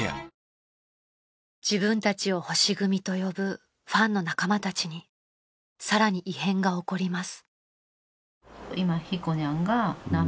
［自分たちを星組と呼ぶファンの仲間たちにさらに異変が起こります］